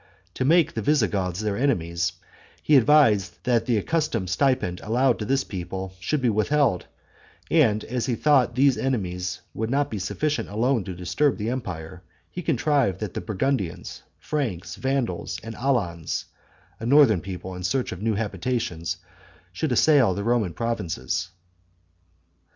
To make the Visigoths their enemies, he advised that the accustomed stipend allowed to this people should be withheld; and as he thought these enemies would not be sufficient alone to disturb the empire, he contrived that the Burgundians, Franks, Vandals, and Alans (a northern people in search of new habitations), should assail the Roman provinces.